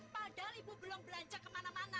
padahal ibu belum belanja kemana mana